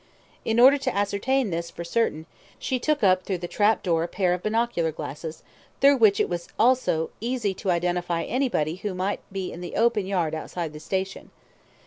In order to ascertain this for certain, she took up through the trap door a pair of binocular glasses, through which it was also easy to identify anybody who might be in the open yard outside the station.